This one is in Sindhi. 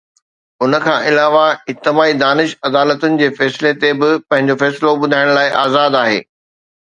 ان کان علاوه، اجتماعي دانش عدالتن جي فيصلن تي به پنهنجو فيصلو ٻڌائڻ لاءِ آزاد آهي.